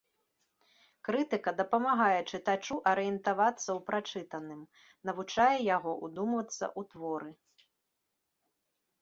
Крытыка дапамагае чытачу арыентавацца ў прачытаным, навучае яго ўдумвацца ў творы.